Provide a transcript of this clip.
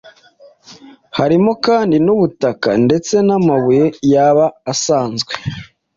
Harimo kandi n’ubutaka ndetse n’amabuye yaba asanzwe